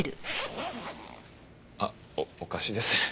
あっおかしいですよね